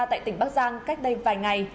tại tỉnh bắc giang cách đây vài ngày